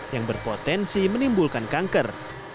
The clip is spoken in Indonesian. yang berpotensi menimbulkan kanker